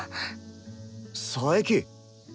佐伯。